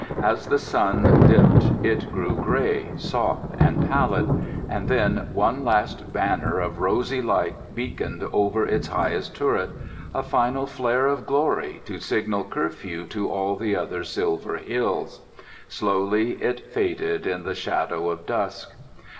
As the sun dipped it grew gray, soft, and pallid. And then one last banner of rosy light beaconed over its highest turret—a final flare of glory to signal curfew to all the other silver hills. Slowly it faded in the shadow of dusk.